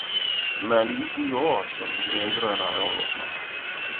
Men det är ju inte jag, som är en drönare och latmask.